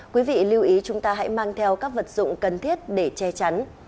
quý vị lưu ý chúng ta hãy mang theo các vật dụng cần thiết để che chắn